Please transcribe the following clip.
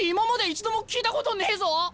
一度も聞いたことねえぞ！